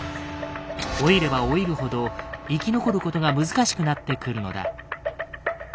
老いれば老いるほど生き残ることが難しくなってくるのだ。